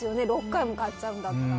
６回も買っちゃうんだったら。